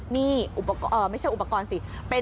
นี่ไม่ใช่อุปกรณ์สิ